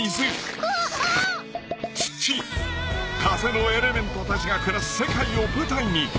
［のエレメントたちが暮らす世界を舞台に］